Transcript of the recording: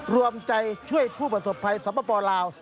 รวมใจช่วยผู้ประสบภัยสปลาว